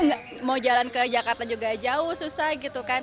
nggak mau jalan ke jakarta juga jauh susah gitu kan